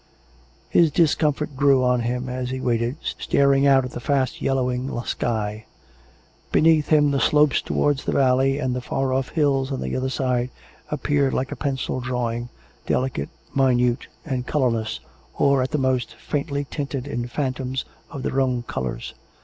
His discomfort grew on him as he waited, staring out at the fast yellowing sky. (Beneath him the slopes towards the valley and the far off hills on the other side appeared like a pencil drawing, delicate, minute and colourless, or, at the most, faintly tinted in phantoms of their own colours.